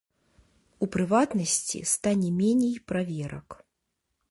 У прыватнасці, стане меней праверак.